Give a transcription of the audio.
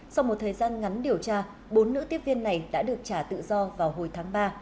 sau một thời gian ngắn điều tra bốn nữ tiếp viên này đã được trả tự do vào hồi tháng ba